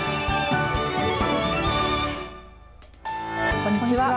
こんにちは。